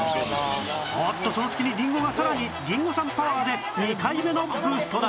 おっとその隙にりんごがさらにリンゴ酸パワーで２回目のブーストだ！